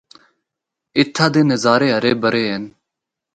اِتھا دے نظارے ہرے بھرے ہن۔